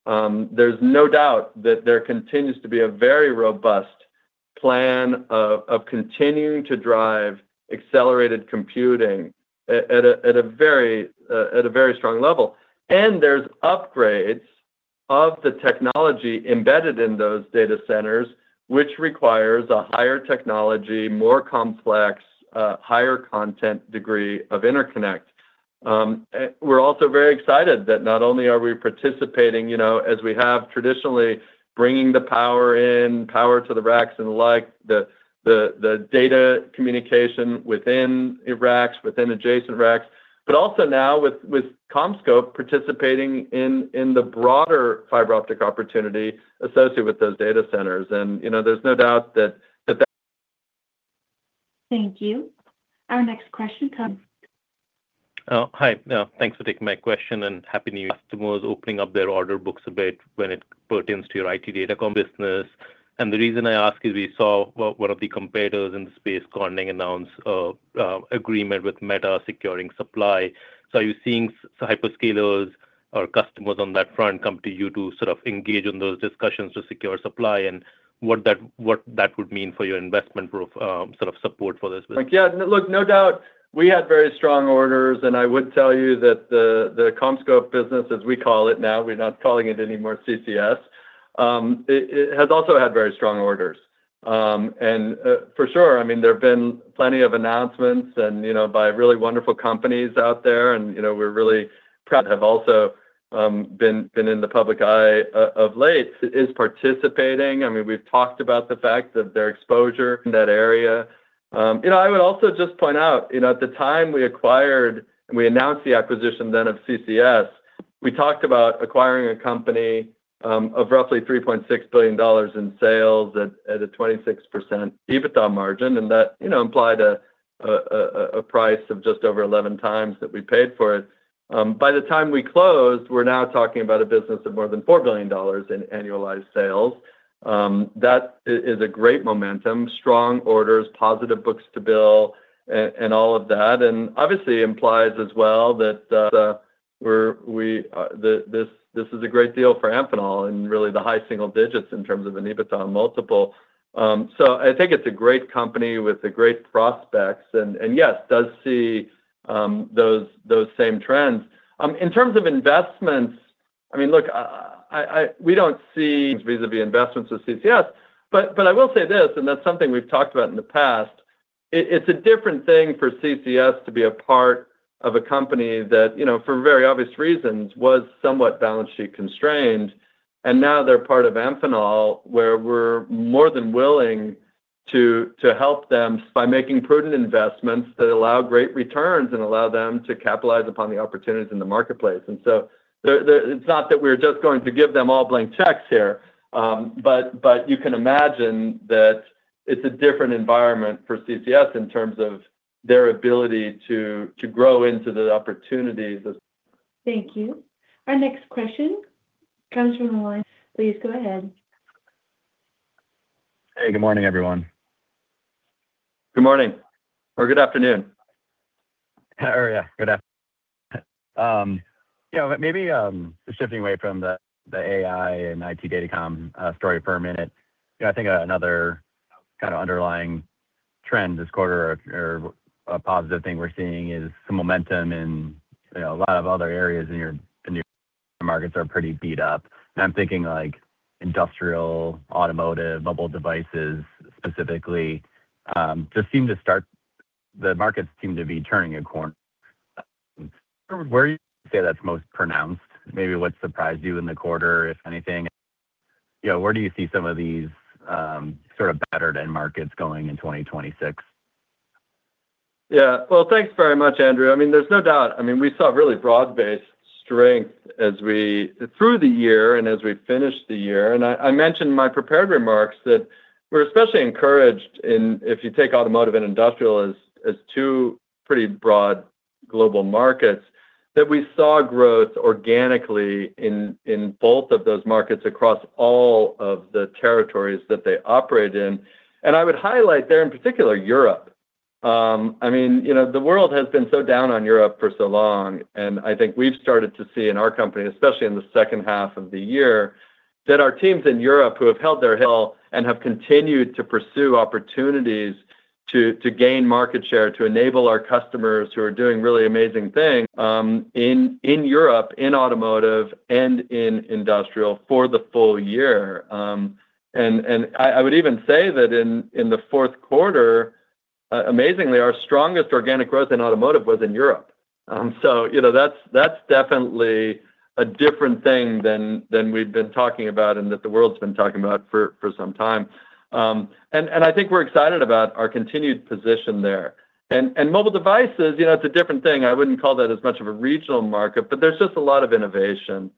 There's no doubt that there continues to be a very robust plan of continuing to drive accelerated computing at a very strong level. There's upgrades of the technology embedded in those data centers, which requires a higher technology, more complex, higher content degree of interconnect. We're also very excited that not only are we participating, you know, as we have traditionally, bringing the power in, power to the racks and the like, the data communication within racks, within adjacent racks, but also now with CommScope, participating in the broader fiber optic opportunity associated with those data centers. You know, there's no doubt that that that- Thank you. Our next question comes- Hi. Thanks for taking my question, and happy New Year. Customers opening up their order books a bit when it pertains to your IT Datacom business. And the reason I ask is we saw one of the competitors in the space, Corning, announce an agreement with Meta securing supply. So are you seeing hyperscalers or customers on that front come to you to sort of engage in those discussions to secure supply, and what that would mean for your investment pro, sort of support for this business? Yeah. Look, no doubt, we had very strong orders, and I would tell you that the CommScope business, as we call it now, we're not calling it anymore CCS, it has also had very strong orders. And, for sure, I mean, there have been plenty of announcements and, you know, by really wonderful companies out there, and, you know, we're really proud to have also been in the public eye of late, is participating. I mean, we've talked about the fact that their exposure in that area... You know, I would also just point out, you know, at the time we acquired, and we announced the acquisition then of CCS-... We talked about acquiring a company of roughly $3.6 billion in sales at a 26% EBITDA margin, and that, you know, implied a price of just over 11x that we paid for it. By the time we closed, we're now talking about a business of more than $4 billion in annualized sales. That is a great momentum, strong orders, positive book-to-bill, and all of that, and obviously implies as well that this is a great deal for Amphenol and really the high single digits in terms of an EBITDA multiple. So I think it's a great company with great prospects, and yes, does see those same trends. In terms of investments, I mean, look, I we don't see vis-à-vis investments with CCS, but I will say this, and that's something we've talked about in the past: it's a different thing for CCS to be a part of a company that, you know, for very obvious reasons, was somewhat balance sheet constrained, and now they're part of Amphenol, where we're more than willing to help them by making prudent investments that allow great returns and allow them to capitalize upon the opportunities in the marketplace. And so it's not that we're just going to give them all blank checks here, but you can imagine that it's a different environment for CCS in terms of their ability to grow into the opportunities that- Thank you. Our next question comes from Andrew. Please go ahead. Hey, good morning, everyone. Good morning, or good afternoon. Or, yeah, good afternoon. You know, maybe just shifting away from the AI and IT Datacom story for a minute. You know, I think another kind of underlying trend this quarter or a positive thing we're seeing is some momentum in, you know, a lot of other areas in your markets are pretty beat up. And I'm thinking, like, industrial, automotive, mobile devices, specifically, the markets seem to be turning a corner. Where would you say that's most pronounced? Maybe what surprised you in the quarter, if anything? You know, where do you see some of these sort of battered end markets going in 2026? Yeah. Well, thanks very much, Andrew. I mean, there's no doubt. I mean, we saw really broad-based strength through the year and as we finished the year. And I mentioned in my prepared remarks that we're especially encouraged, if you take automotive and industrial as two pretty broad global markets, that we saw growth organically in both of those markets across all of the territories that they operate in. And I would highlight there, in particular, Europe. I mean, you know, the world has been so down on Europe for so long, and I think we've started to see in our company, especially in the second half of the year, that our teams in Europe who have held their hill and have continued to pursue opportunities to gain market share, to enable our customers who are doing really amazing things in Europe, in automotive and in industrial for the full year. And I would even say that in the fourth quarter, amazingly, our strongest organic growth in automotive was in Europe. So, you know, that's definitely a different thing than we've been talking about and that the world's been talking about for some time. And I think we're excited about our continued position there. And mobile devices, you know, it's a different thing. I wouldn't call that as much of a regional market, but there's just a lot of innovation.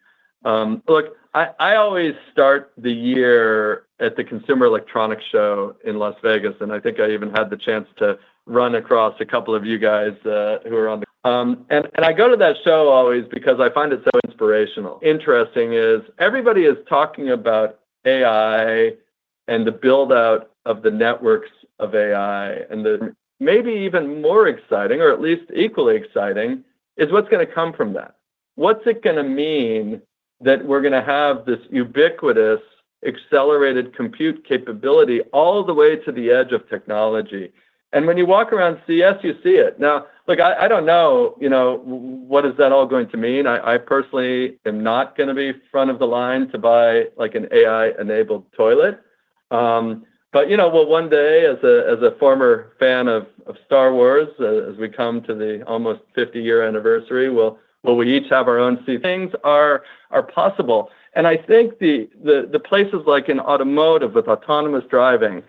Look, I always start the year at the Consumer Electronics Show in Las Vegas, and I think I even had the chance to run across a couple of you guys. And I go to that show always because I find it so inspirational. Interesting is, everybody is talking about AI and the build-out of the networks of AI, and the maybe even more exciting, or at least equally exciting, is what's gonna mean that we're gonna have this ubiquitous, accelerated compute capability all the way to the edge of technology? And when you walk around CCS, you see it. Now, look, I don't know, you know, what is that all going to mean. I personally am not gonna be front of the line to buy, like, an AI-enabled toilet. But, you know, well, one day, as a former fan of Star Wars, as we come to the almost 50-year anniversary, will we each have our own C-3PO? Things are possible. And I think the places like in automotive with autonomous driving,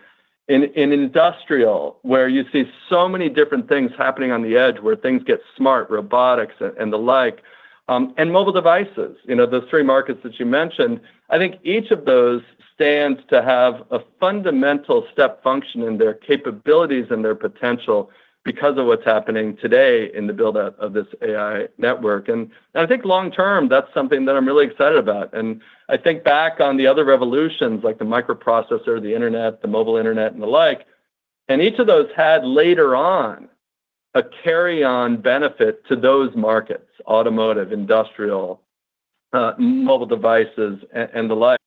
in industrial, where you see so many different things happening on the edge, where things get smart, robotics and the like, and mobile devices, you know, those three markets that you mentioned, I think each of those stands to have a fundamental step function in their capabilities and their potential because of what's happening today in the build-out of this AI network. And I think long term, that's something that I'm really excited about. And I think back on the other revolutions, like the microprocessor, the internet, the mobile internet, and the like, and each of those had later on, a carry-on benefit to those markets: automotive, industrial, mobile devices, and the like.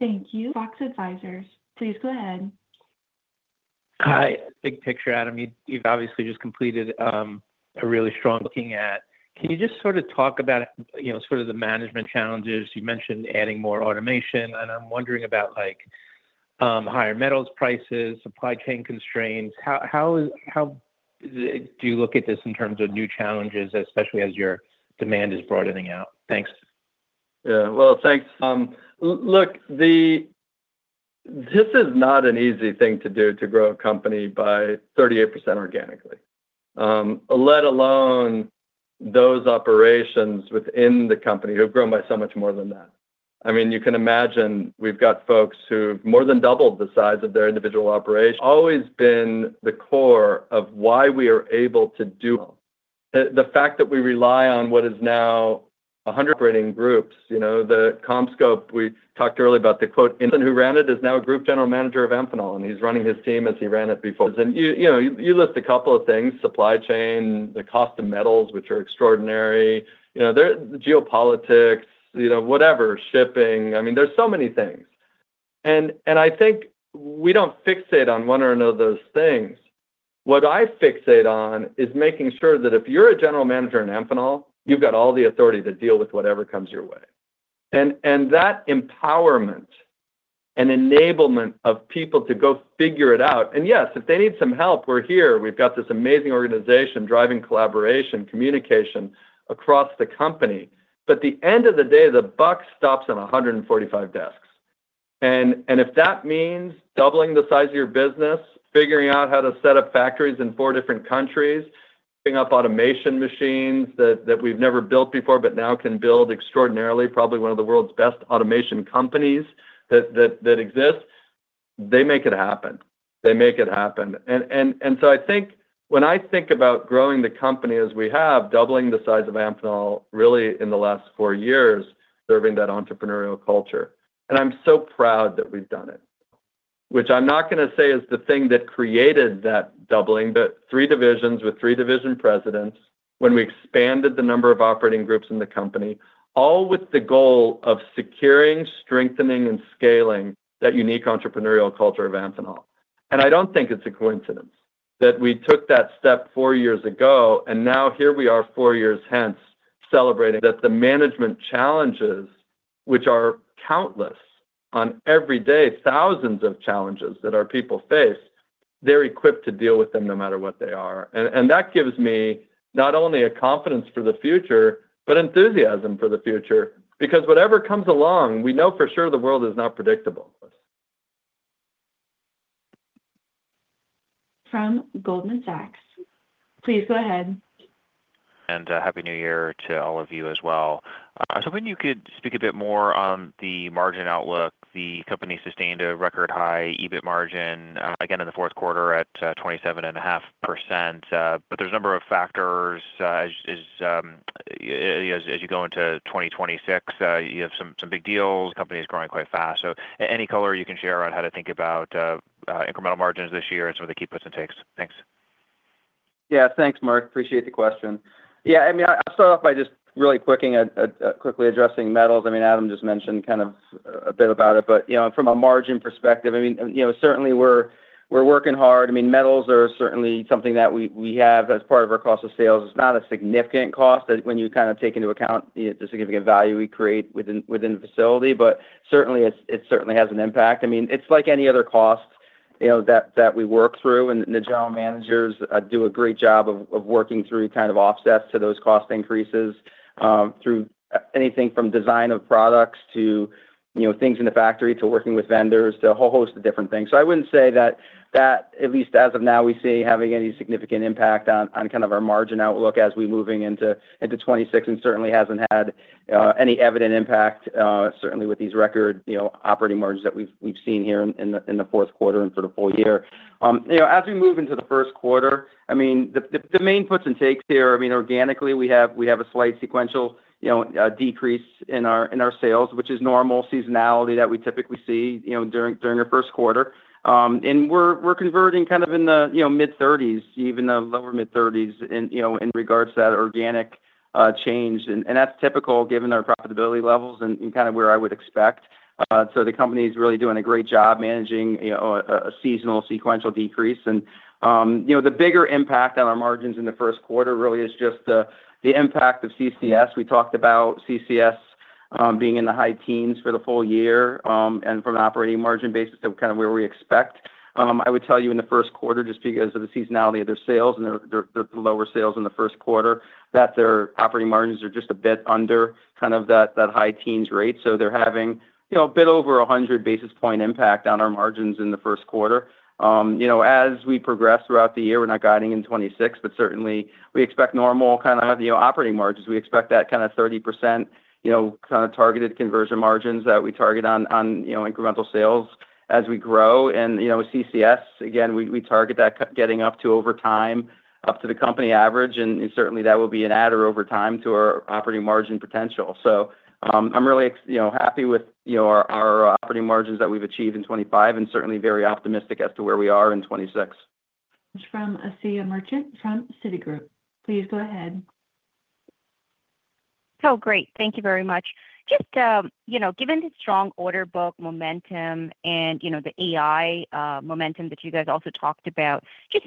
Thank you. Fox Advisors, please go ahead. Hi. Big picture, Adam, you've obviously just completed a really strong... Looking at, can you just sort of talk about, you know, sort of the management challenges? You mentioned adding more automation, and I'm wondering about, like, higher metals prices, supply chain constraints. How is—how do you look at this in terms of new challenges, especially as your demand is broadening out? Thanks. Yeah. Well, thanks. Look, this is not an easy thing to do, to grow a company by 38% organically, let alone those operations within the company who have grown by so much more than that. I mean, you can imagine we've got folks who've more than doubled the size of their individual operation. Always been the core of why we are able to do the fact that we rely on what is now 100 operating groups. You know, the CommScope, we talked earlier about the quote. Who ran it is now a group general manager of Amphenol, and he's running his team as he ran it before. And you know, you list a couple of things: supply chain, the cost of metals, which are extraordinary. You know, there geopolitics, you know, whatever, shipping. I mean, there's so many things. And, and I think we don't fixate on one or another of those things. What I fixate on is making sure that if you're a general manager in Amphenol, you've got all the authority to deal with whatever comes your way. And, and that empowerment and enablement of people to go figure it out. And yes, if they need some help, we're here. We've got this amazing organization driving collaboration, communication across the company. But at the end of the day, the buck stops on 145 desks. And, and if that means doubling the size of your business, figuring out how to set up factories in four different countries, setting up automation machines that, that we've never built before, but now can build extraordinarily, probably one of the world's best automation companies that, that, that exists, they make it happen. They make it happen. And so I think when I think about growing the company as we have, doubling the size of Amphenol, really in the last four years, serving that entrepreneurial culture, and I'm so proud that we've done it. Which I'm not gonna say is the thing that created that doubling, but three divisions with three division presidents, when we expanded the number of operating groups in the company, all with the goal of securing, strengthening, and scaling that unique entrepreneurial culture of Amphenol. And I don't think it's a coincidence that we took that step four years ago, and now here we are, four years hence, celebrating that the management challenges, which are countless, on every day, thousands of challenges that our people face, they're equipped to deal with them no matter what they are. That gives me not only a confidence for the future, but enthusiasm for the future. Because whatever comes along, we know for sure the world is not predictable. From Goldman Sachs. Please go ahead. Happy New Year to all of you as well. So maybe you could speak a bit more on the margin outlook. The company sustained a record high EBIT margin, again, in the fourth quarter at 27.5%. But there's a number of factors, as you go into 2026. You have some big deals, company is growing quite fast. So any color you can share on how to think about incremental margins this year and some of the key puts and takes? Thanks. Yeah. Thanks, Mark. Appreciate the question. Yeah, I mean, I'll start off by just really quickly addressing metals. I mean, Adam just mentioned kind of a bit about it, but, you know, from a margin perspective, I mean, you know, certainly we're working hard. I mean, metals are certainly something that we have as part of our cost of sales. It's not a significant cost that when you kind of take into account the significant value we create within the facility, but certainly it certainly has an impact. I mean, it's like any other cost, you know, that we work through, and the general managers do a great job of working through kind of offsets to those cost increases, through anything from design of products to, you know, things in the factory, to working with vendors, to a whole host of different things. So I wouldn't say that, at least as of now, we see having any significant impact on kind of our margin outlook as we're moving into 2026, and certainly hasn't had any evident impact, certainly with these record, you know, operating margins that we've seen here in the fourth quarter and for the full year. You know, as we move into the first quarter, I mean, the main puts and takes here, I mean, organically, we have a slight sequential, you know, decrease in our sales, which is normal seasonality that we typically see, you know, during our first quarter. And we're converting kind of in the mid-thirties, even the lower mid-thirties in regards to that organic change. And that's typical given our profitability levels and kind of where I would expect. So the company is really doing a great job managing, you know, a seasonal sequential decrease. And, you know, the bigger impact on our margins in the first quarter really is just the impact of CCS. We talked about CCS, being in the high teens for the full year, and from an operating margin basis to kind of where we expect. I would tell you in the first quarter, just because of the seasonality of their sales and the lower sales in the first quarter, that their operating margins are just a bit under kind of that high teens rate. So they're having, you know, a bit over 100 basis point impact on our margins in the first quarter. You know, as we progress throughout the year, we're not guiding in 2026, but certainly we expect normal kind of, you know, operating margins. We expect that kind of 30%, you know, kind of targeted conversion margins that we target on, on, you know, incremental sales as we grow. You know, with CCS, again, we target that getting up to over time, up to the company average, and certainly that will be an adder over time to our operating margin potential. So, I'm really, you know, happy with, you know, our operating margins that we've achieved in 2025, and certainly very optimistic as to where we are in 2026. From Asiya Merchant, from Citigroup. Please go ahead. So great. Thank you very much. Just, you know, given the strong order book momentum and, you know, the AI momentum that you guys also talked about, just,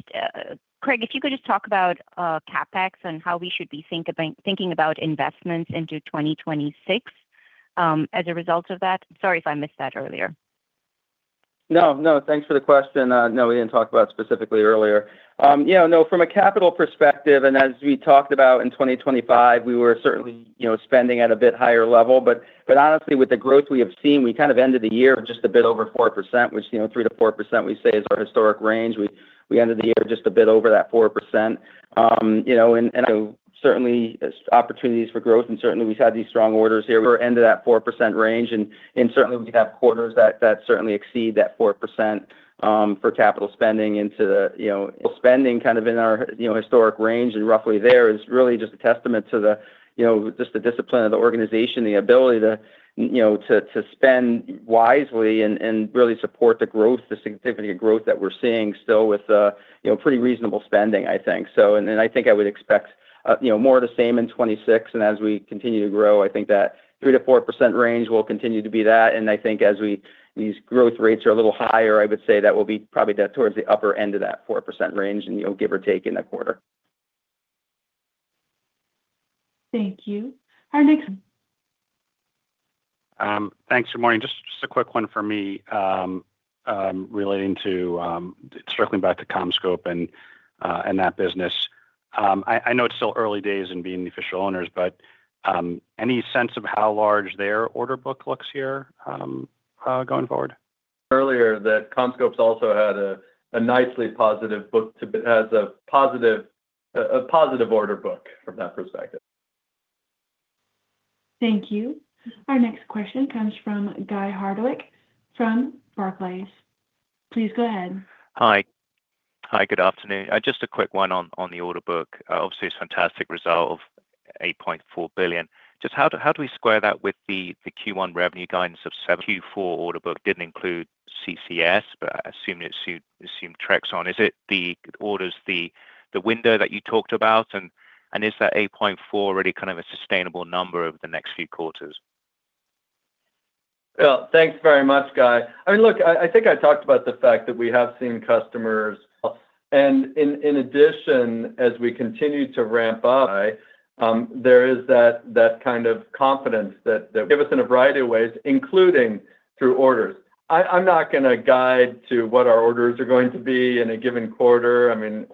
Craig, if you could just talk about CapEx and how we should be thinking about investments into 2026, as a result of that. Sorry if I missed that earlier. ... No, no. Thanks for the question. No, we didn't talk about it specifically earlier. Yeah, no, from a capital perspective, and as we talked about in 2025, we were certainly, you know, spending at a bit higher level. But honestly, with the growth we have seen, we kind of ended the year just a bit over 4%, which, you know, 3%-4% we say is our historic range. We ended the year just a bit over that 4%. You know, and certainly opportunities for growth, and certainly we've had these strong orders here. We're into that 4% range, and certainly we have quarters that certainly exceed that 4%, for capital spending into the, you know, spending kind of in our, you know, historic range and roughly there is really just a testament to the, you know, just the discipline of the organization, the ability to, you know, to spend wisely and really support the growth, the significance of growth that we're seeing still with, you know, pretty reasonable spending, I think. So, and I think I would expect, you know, more of the same in 2026. And as we continue to grow, I think that 3%-4% range will continue to be that. I think these growth rates are a little higher, I would say that will be probably that towards the upper end of that 4% range and, you know, give or take in a quarter. Thank you. Our next- Thanks. Good morning. Just, just a quick one for me, relating to, circling back to CommScope and, and that business. I, I know it's still early days in being the official owners, but, any sense of how large their order book looks here, going forward? Earlier, that CommScope also had a nicely positive book-to-bill, has a positive order book from that perspective. Thank you. Our next question comes from Guy Hardwick from Barclays. Please go ahead. Hi. Hi, good afternoon. Just a quick one on the order book. Obviously, it's a fantastic result of $8.4 billion. Just how do we square that with the Q1 revenue guidance of Q4 order book? Didn't include CCS, but I assume it's assumed Trexon. Is it the orders, the window that you talked about, and is that $8.4 billion really kind of a sustainable number over the next few quarters? Well, thanks very much, Guy. I mean, look, I think I talked about the fact that we have seen customers. And in addition, as we continue to ramp up, there is that kind of confidence that give us in a variety of ways, including through orders. I'm not going to guide to what our orders are going to be in a given quarter. I mean,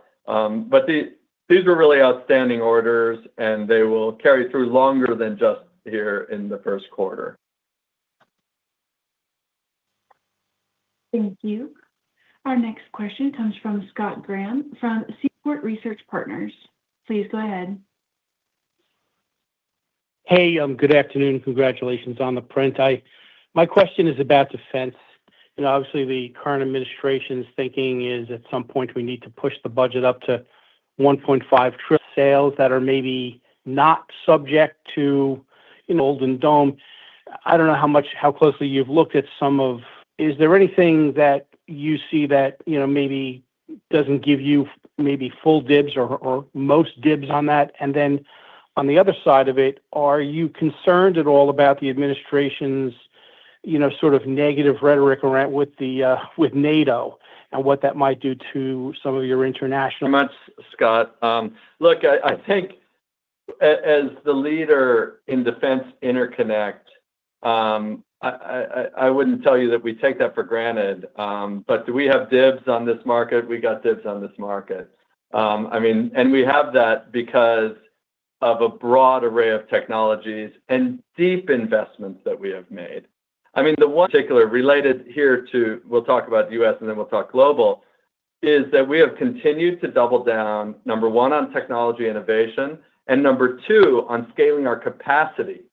but these were really outstanding orders, and they will carry through longer than just here in the first quarter. Thank you. Our next question comes from Scott Graham from Seaport Research Partners. Please go ahead. Hey, good afternoon. Congratulations on the print. I... My question is about defense. You know, obviously, the current administration's thinking is, at some point, we need to push the budget up to $1.5 trillion dollars that are maybe not subject to, you know, Iron Dome. I don't know how much- how closely you've looked at some of... Is there anything that you see that, you know, maybe doesn't give you maybe full dibs or, or most dibs on that? And then on the other side of it, are you concerned at all about the administration's, you know, sort of negative rhetoric around with the, with NATO and what that might do to some of your international- Thanks much, Scott. Look, I think as the leader in defense interconnect, I wouldn't tell you that we take that for granted, but do we have dibs on this market? We got dibs on this market. I mean, and we have that because of a broad array of technologies and deep investments that we have made. I mean, the one particular related here to, we'll talk about US, and then we'll talk global, is that we have continued to double down, number one, on technology innovation, and number two, on scaling our capacity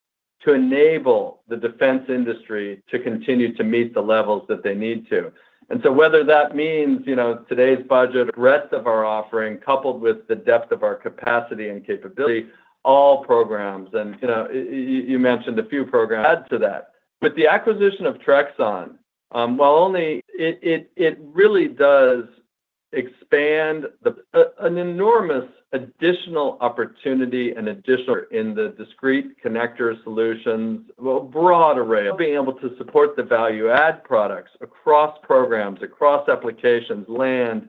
to enable the defense industry to continue to meet the levels that they need to. And so whether that means, you know, today's budget, rest of our offering, coupled with the depth of our capacity and capability, all programs, and, you know, you mentioned a few programs, add to that. But the acquisition of Trexon, while only... It really does expand an enormous additional opportunity and additional in the discrete connector solutions, a broad array. Being able to support the value-add products across programs, across applications, land,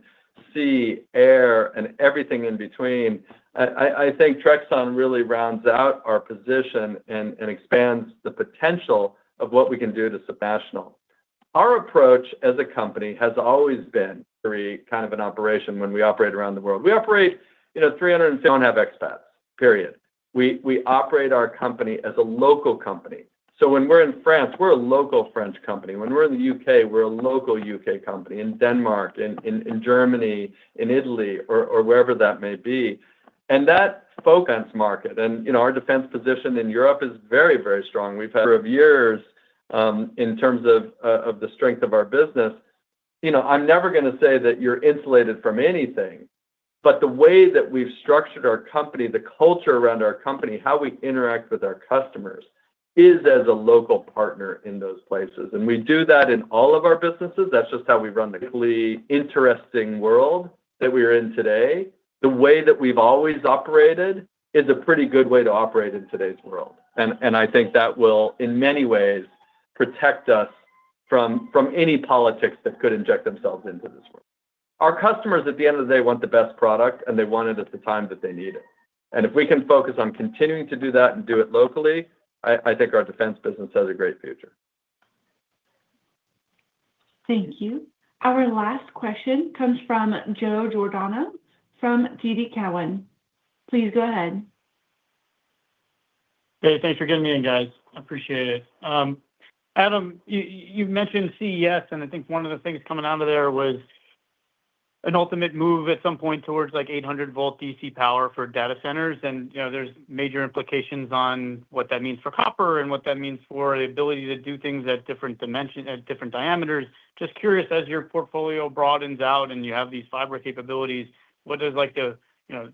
sea, air, and everything in between. I think Trexon really rounds out our position and expands the potential of what we can do substantially. Our approach as a company has always been to be kind of an operation when we operate around the world. We operate, you know, 360... We don't have expats, period. We operate our company as a local company. So when we're in France, we're a local French company. When we're in the UK, we're a local UK company, in Denmark, in Germany, in Italy, or wherever that may be. And that focus market, you know, our defense position in Europe is very, very strong. We've had for years, in terms of, of the strength of our business. You know, I'm never gonna say that you're insulated from anything, but the way that we've structured our company, the culture around our company, how we interact with our customers, is as a local partner in those places. And we do that in all of our businesses. That's just how we run the equally interesting world that we are in today. The way that we've always operated is a pretty good way to operate in today's world, and I think that will, in many ways, protect us from any politics that could inject themselves into this world... Our customers at the end of the day want the best product, and they want it at the time that they need it. And if we can focus on continuing to do that and do it locally, I think our defense business has a great future. Thank you. Our last question comes from Joe Giordano from TD Cowen. Please go ahead. Hey, thanks for getting me in, guys. I appreciate it. Adam, you, you've mentioned CES, and I think one of the things coming out of there was an ultimate move at some point towards, like, 800-volt DC power for data centers. And, you know, there's major implications on what that means for copper and what that means for the ability to do things at different diameters. Just curious, as your portfolio broadens out and you have these fiber capabilities, what is like the, you know,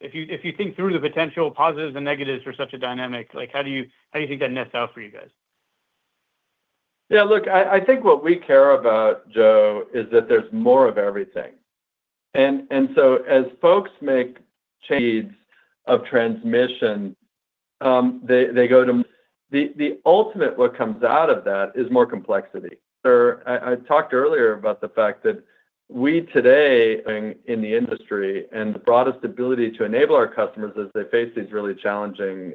if you, if you think through the potential positives and negatives for such a dynamic, like, how do you, how do you think that nets out for you guys? Yeah, look, I, I think what we care about, Joe, is that there's more of everything. And, and so as folks make chains of transmission, they, they go to the, the ultimate what comes out of that is more complexity. Sir, I, I talked earlier about the fact that we today in the industry and the broadest ability to enable our customers as they face these really challenging,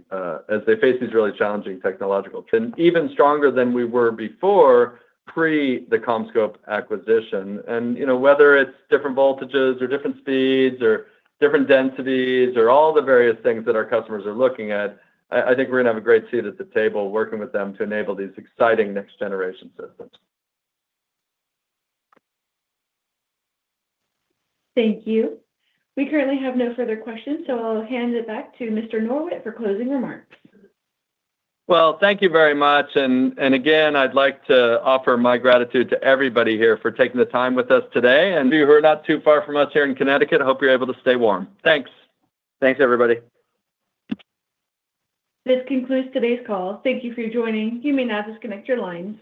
as they face these really challenging technological ten, even stronger than we were before, pre the CommScope acquisition. And, you know, whether it's different voltages or different speeds or different densities or all the various things that our customers are looking at, I, I think we're going to have a great seat at the table working with them to enable these exciting next generation systems. Thank you. We currently have no further questions, so I'll hand it back to Mr. Norwitt for closing remarks. Well, thank you very much. And again, I'd like to offer my gratitude to everybody here for taking the time with us today. And for you who are not too far from us here in Connecticut, I hope you're able to stay warm. Thanks. Thanks, everybody. This concludes today's call. Thank you for joining. You may now disconnect your lines.